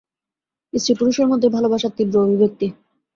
স্ত্রী-পুরষের মধ্যেই ভালবাসার তীব্র অভিব্যক্তি।